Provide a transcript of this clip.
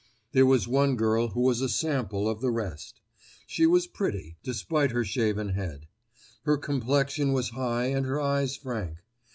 There was one girl who was a sample of the rest. She was pretty, despite her shaven head; her complexion was high and her eyes frank.